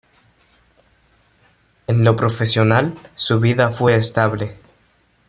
En lo profesional, su vida fue estable.